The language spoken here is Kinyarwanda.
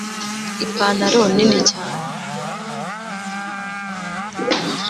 Ipantaro nini cyane